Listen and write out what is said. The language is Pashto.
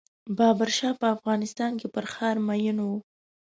بابر شاه په افغانستان کې پر ښار مین و.